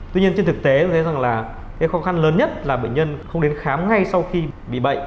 tuy nhiên trên thực tế tôi thấy rằng là cái khó khăn lớn nhất là bệnh nhân không đến khám ngay sau khi bị bệnh